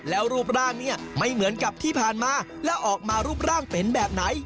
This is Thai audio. แล้วรูปร่างเนี่ยไม่เหมือนกับที่ผ่านมาและออกมารูปร่างเป็นแบบไหน